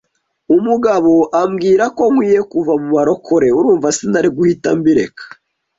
umugabo ambwira ko nkwiye kuva mu barokore, urumva sinari guhita mbireka